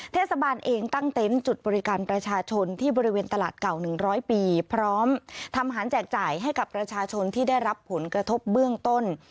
เทศบาลเองตั้งเต็นต์จุดบริการประชาชนที่บริเวณตลาดเก่า๑๐๐ปีพร้อมทำอาหารแจกจ่ายให้กับประชาชนที่ได้รับผลกระทบเบื้องต้น